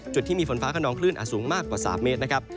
จุดที่มีฝนฟ้าขนองคลื่นอาจสูงมากกว่า๓เมตรนะครับ